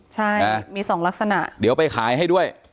อ๋อเจ้าสีสุข่าวของสิ้นพอได้ด้วย